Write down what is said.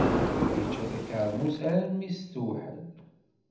Yečča takermust armi s-tewḥel.